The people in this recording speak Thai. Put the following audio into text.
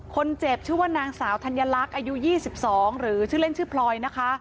คนเจ็บชื่อว่านางสาวธัญลักษณ์อายุ๒๒หรือชื่อเล่นชื่อพลอยนะคะ